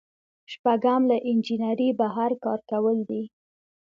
شپږم له انجنیری بهر کار کول دي.